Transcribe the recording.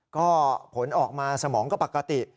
ก็ผลออกมาสมองก็ปกติ